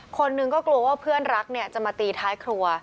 คนหนึ่งก็กลัวว่าเพื่อนรักเนี่ยจะมาตีท้ายครัว